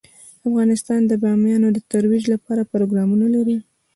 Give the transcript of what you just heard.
افغانستان د بامیان د ترویج لپاره پروګرامونه لري.